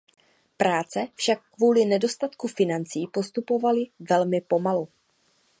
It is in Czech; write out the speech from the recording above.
Práce však kvůli nedostatku financí postupovaly velmi pomalu.